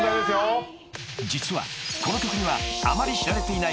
［実はこの曲には］